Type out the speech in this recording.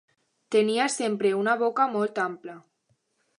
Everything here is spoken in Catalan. Tenia sempre una boca molt ampla.